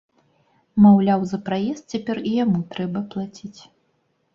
Маўляў, за праезд цяпер і яму трэба плаціць.